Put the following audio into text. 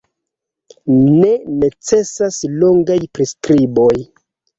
Ne necesas longaj priskriboj.